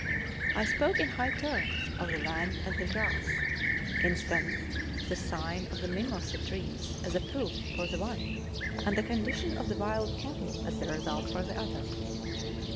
I spoke in high terms of the land and the grass ; instanced the sign of the mimosa trees as a proof of the one, and the condition of the wild cattle as the result of the other.